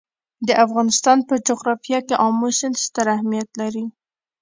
د افغانستان په جغرافیه کې آمو سیند ستر اهمیت لري.